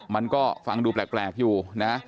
มันก็ฟังดูแปลกอยู่นะ